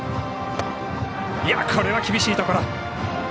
これは厳しいところ！